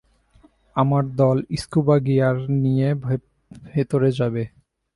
আমার দল scuba gear নিয়ে ভেতরে যাবে।